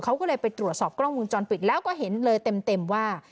เขาก็เลยไปตรวจสอบกล้องวงจรปิดแล้วก็เห็นเลยเต็มว่า